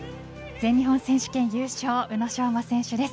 全日本選手権優勝宇野昌磨選手です。